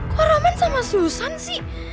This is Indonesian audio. kok roman sama susan sih